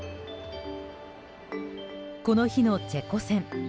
この日のチェコ戦。